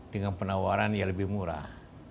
dengan penawaran yang lebih murah